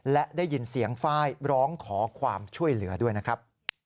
และได้ยินเสียงไฟล์ร้องขอความช่วยเหลือด้วยนะครับ